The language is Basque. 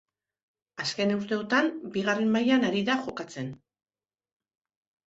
Azken urteotan bigarren mailan ari da jokatzen.